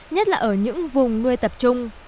nhất là ở những vùng nuôi tập trung